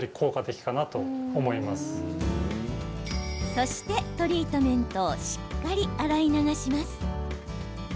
そして、トリートメントをしっかり洗い流します。